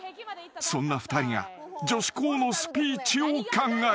［そんな２人が女子校のスピーチを考える］